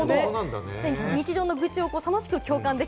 日常の愚痴を楽しく共感でき